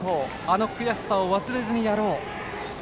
あの悔しさを忘れずにやろう。